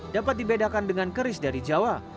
dapat dibedakan dengan keris dari jawa